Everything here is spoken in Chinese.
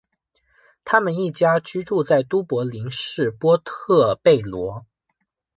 他们一家居住在都柏林市波特贝罗。